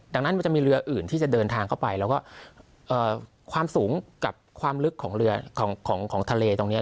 ดังนั้นมันจะมีเรืออื่นที่จะเดินทางเข้าไปแล้วก็ความสูงกับความลึกของเรือของทะเลตรงนี้